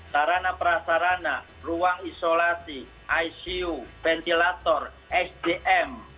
sarana prasarana ruang isolasi icu ventilator sdm